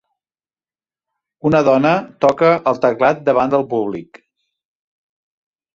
Una dona toca el teclat davant del públic.